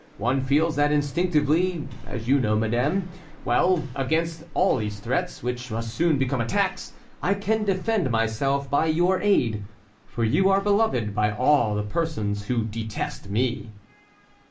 One feels that instinctively, as you know, madame. Well, against all these threats, which must soon become attacks, I can defend myself by your aid, for you are beloved by all the persons who detest me."